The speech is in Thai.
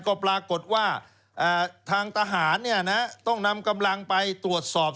ก็ปรากฏว่าทางทหารต้องนำกำลังไปตรวจสอบ